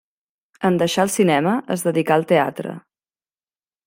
En deixar el cinema, es dedicà al teatre.